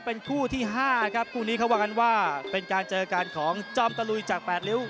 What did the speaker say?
เป็นคู่ที่๕ครับคู่นี้เขาว่ากันว่าเป็นการเจอกันของจอมตะลุยจาก๘ริ้ว